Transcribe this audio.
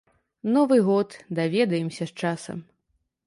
Новы год, даведаемся з часам.